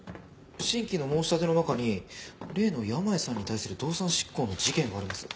新規の申し立ての中に例の山家さんに対する動産執行の事件があります。